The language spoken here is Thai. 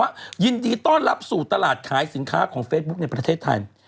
ยินดีต้อนรับสู่ตลาดขายสินค้าของเฟซบุ๊คในประเทศไทย